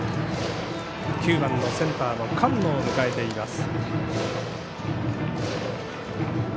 ９番のセンターの菅野を迎えています。